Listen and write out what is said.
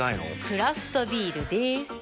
クラフトビールでーす。